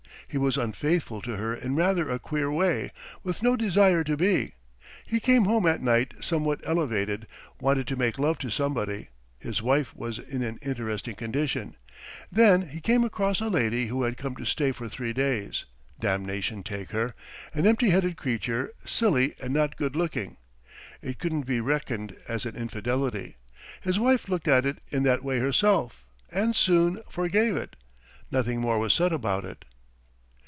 ... He was unfaithful to her in rather a queer way, with no desire to be; he came home at night somewhat elevated, wanted to make love to somebody, his wife was in an interesting condition ... then he came across a lady who had come to stay for three days damnation take her an empty headed creature, silly and not good looking. It couldn't be reckoned as an infidelity. His wife looked at it in that way herself and soon ... forgave it. Nothing more was said about it.